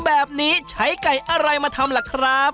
แบบนี้ใช้ไก่อะไรมาทำล่ะครับ